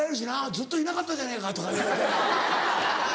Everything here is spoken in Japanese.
「ずっといなかったじゃねえか」とか言われて。